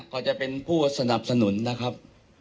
ก็จะเป็นผู้สนับสนุนนะครับ